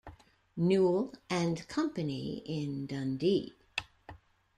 Newall and Company in Dundee.